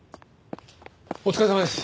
お疲れさまです。